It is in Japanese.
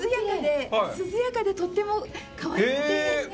涼やかでとってもかわいくて。